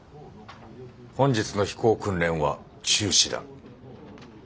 本日の飛行訓練は中止だ。